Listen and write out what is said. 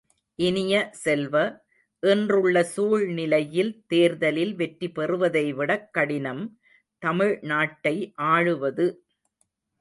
இனிய செல்வ, இன்றுள்ள சூழ்நிலையில் தேர்தலில் வெற்றி பெறுவதைவிடக் கடினம், தமிழ் நாட்டை ஆளுவது!